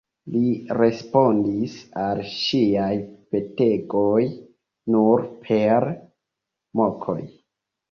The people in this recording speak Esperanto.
Li respondis al ŝiaj petegoj nur per mokoj.